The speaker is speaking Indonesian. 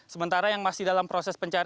sementara yang masih dalam proses pencarian